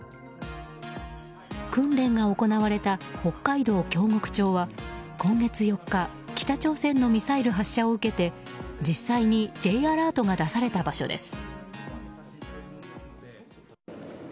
訓練が行われた北海道京極町は今月４日北朝鮮のミサイル発射を受けて実際にＪアラートが出された場所です。